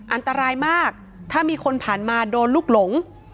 อันตรายมากถ้ามีคนผ่านมาโดนลูกหลง